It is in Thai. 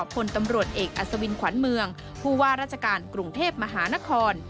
พลตำรวจเอกอัศวินขวัญเมืองผู้ว่าราชการกรุงเทพมหานคร